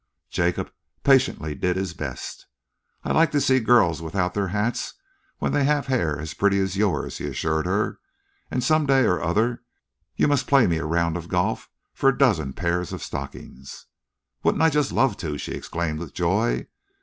Jacob patiently did his best. "I like to see girls without their hats when they have hair as pretty as yours," he assured her, "and some day or other you must play me a round of golf for a dozen pairs of stockings." "Wouldn't I just love to!" she exclaimed with joy.